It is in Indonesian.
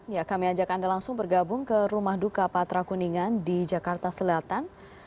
ya kami ajak anda langsung bergabung ke rumah duka patra kuningan di jakarta selatan